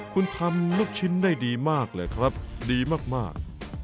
คุณทำลูกชิ้นได้ดีมากเลยครับดีมาก